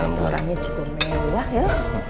restorannya cukup mewah ya